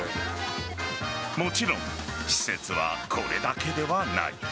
もちろん施設はこれだけではない。